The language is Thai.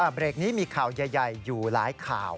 เบรกนี้มีข่าวใหญ่อยู่หลายข่าว